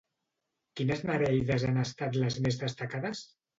Quines nereides han estat les més destacades?